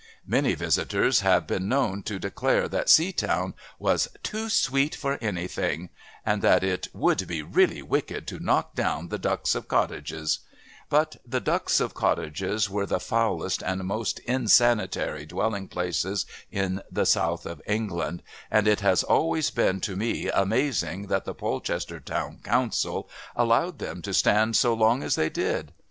Many visitors have been known to declare that Seatown was "too sweet for anything," and that "it would be really wicked to knock down the ducks of cottages," but "the ducks of cottages" were the foulest and most insanitary dwelling places in the south of England, and it has always been to me amazing that the Polchester Town Council allowed them to stand so long as they did.